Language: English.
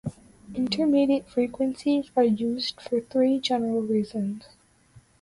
Intermediate frequencies are used for three general reasons.